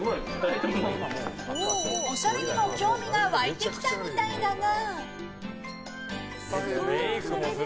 おしゃれにも興味が湧いてきたみたいだが。